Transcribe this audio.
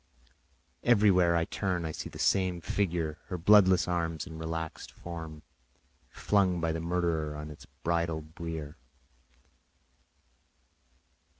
Everywhere I turn I see the same figure—her bloodless arms and relaxed form flung by the murderer on its bridal bier.